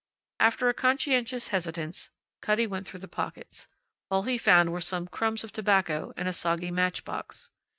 After a conscientious hesitance Cutty went through the pockets. All he found were some crumbs of tobacco and a soggy match box.